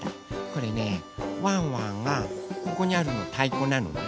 これねワンワンがここにあるのたいこなのね。